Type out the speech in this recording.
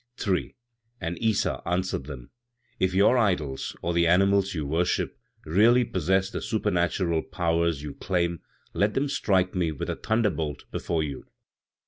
3. And Issa answered them: "If your idols, or the animals you worship, really possess the supernatural powers you claim, let them strike me with a thunderbolt before you!"